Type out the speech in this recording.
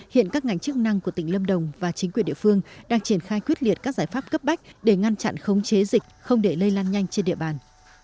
hiện các ngành chức năng của tỉnh lâm đồng và chính quyền địa phương đang triển khai quyết liệt các giải pháp cấp bách để ngăn chặn khống chế dịch không để lây lan nhanh trên địa bàn